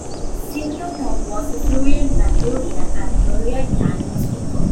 Semyonov was a fluent Mongolian and Buryat language speaker.